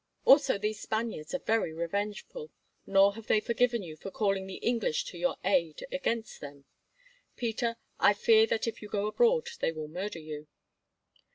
"Also these Spaniards are very revengeful, nor have they forgiven you for calling the English to your aid against them. Peter, I fear that if you go abroad they will murder you."